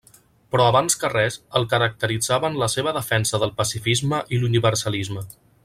Però abans que res, el caracteritzaven la seva defensa del pacifisme i l'universalisme.